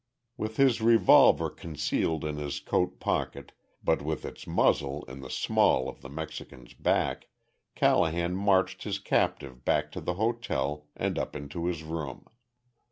With his revolver concealed in his coat pocket, but with its muzzle in the small of the Mexican's back, Callahan marched his captive back to the hotel and up into his room.